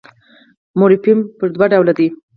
مورفیم پر دوه ډوله دئ.